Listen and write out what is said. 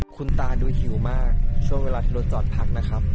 คุณตาดูหิวมากช่วงเวลาที่รถจอดพักนะครับ